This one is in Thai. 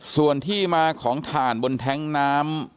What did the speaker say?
ส่วนที่มาของถ่านบนแท้งน้ำ